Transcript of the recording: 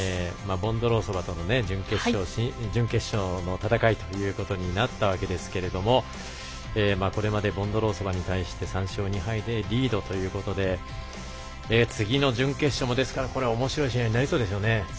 ボンドロウソバとの準決勝の戦いとなったわけですがこれまでボンドロウソバに対して３勝２敗でリードということで次の準決勝もこれは、おもしろい試合になりそうですよね。